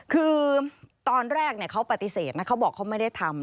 คือตอนแรกเขาปฏิเสธนะเขาบอกเขาไม่ได้ทำ